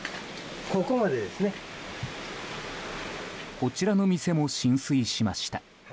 こちらの店も浸水しました。